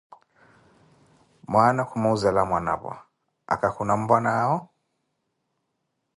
Mwaana ku muuzela Mwanapwa: Aka khuna mpwanaawo?